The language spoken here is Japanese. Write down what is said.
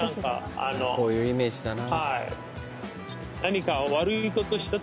こういうイメージだな。